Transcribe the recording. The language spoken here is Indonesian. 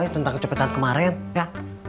tentang kecepetan kemarin ya